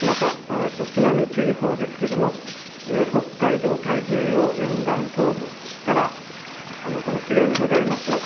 また津波注意報ですけども北海道太平洋沿岸東部からこの資料にございます